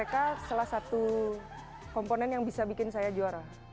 mereka salah satu komponen yang bisa bikin saya juara